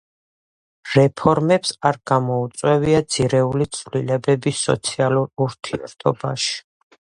რეფორმებს არ გამოუწვევია ძირეული ცვლილებები სოციალურ ურთიერთობაში.